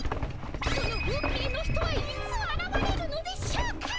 その運命の人はいつあらわれるのでしょうか？